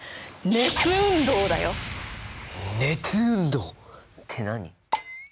「熱運動」って何！？